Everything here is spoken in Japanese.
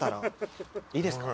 いいですか？